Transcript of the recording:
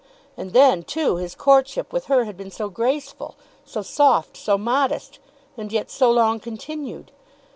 And then, too, his courtship with her had been so graceful, so soft, so modest, and yet so long continued!